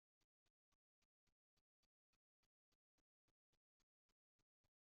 noneho bafashe umwanzuro wo kutagira ikimenyetso basaba cyerekana ubushobozi bwe